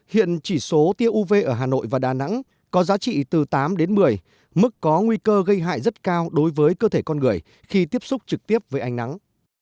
hiện chỉ số tiêu uv ở hà nội và đà nẵng có giá trị từ tám đến một mươi mức có nguy cơ gây hại rất cao đối với cơ thể con người khi tiếp xúc trực tiếp với ánh nắng